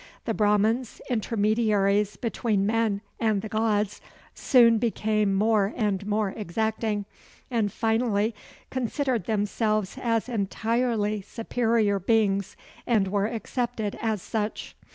The Brahmans, intermediaries between men and the gods, soon became more and more exacting, and finally considered themselves as entirely superior beings and were accepted as such.